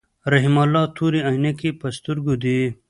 رحیم الله تورې عینکی په سترګو دي.